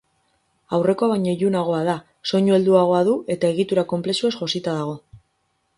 Aurrekoa baino ilunagoa da, soinu helduagoa du eta egitura konplexuez josita dago.